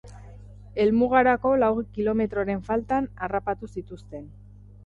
Helmugarako lau kilometroren faltan harrapatu zituzten.